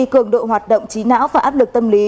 cường độ hoạt động trí não và áp lực tâm lý